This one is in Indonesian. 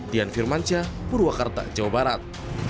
dian firmansyah purwakarta jawa barat